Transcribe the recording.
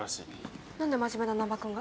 何で真面目な難破君が？